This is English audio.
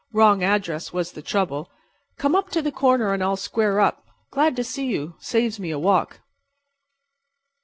Wrong address was the trouble. Come up to the corner and I'll square up. Glad to see you. Saves me a walk."